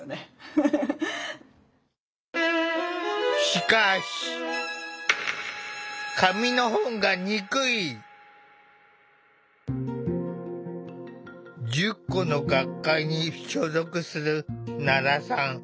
しかし１０個の学会に所属する奈良さん。